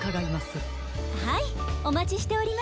はいおまちしております。